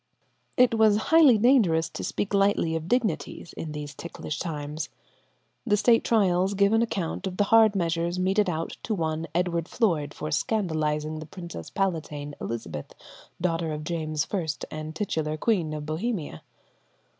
It was highly dangerous to speak lightly of dignities in these ticklish times. The State trials give an account of the hard measure meted out to one Edward Floyde for scandalizing the princess palatine, Elizabeth, daughter of James I, and titular Queen of Bohemia.